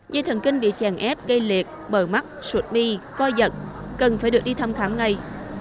dây thần kinh bị chèn ép gây liệt bờ mắt sụt bi co giật cần phải được đi thăm khám ngay